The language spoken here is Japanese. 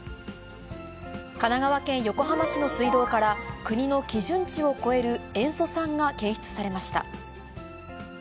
神奈川県横浜市の水道から国の基準値を超える塩素酸が検出されました。